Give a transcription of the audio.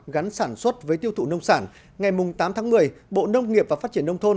gắn sản xuất với tiêu thụ nông sản ngày tám tháng một mươi bộ nông nghiệp và phát triển nông thôn